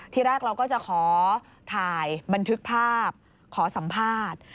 ทีแรกเราก็จะขอถ่ายบันทึกภาพขอสัมภาษณ์